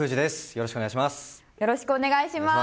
よろしくお願いします。